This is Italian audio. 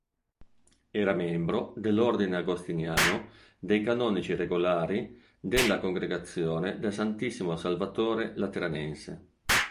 Era un membro dell'ordine agostiniano dei Canonici regolari della Congregazione del Santissimo Salvatore lateranense.